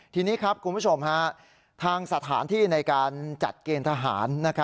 ทีนี้ครับคุณผู้ชมทางสถานที่ในการจัดเกณฑ์ทหาร